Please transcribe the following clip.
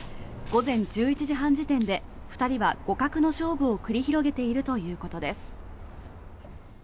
午前１１時半時点で２人は互角の勝負を繰り広げているということです。